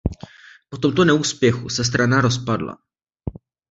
Po tomto neúspěchu se strana rozpadla.